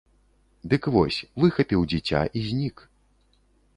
Дык вось, выхапіў дзіця і знік.